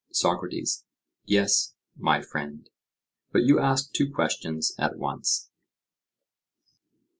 SOCRATES: Yes, my friend, but you ask two questions at once.